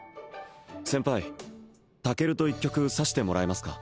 先輩タケルと一局指してもらえますか？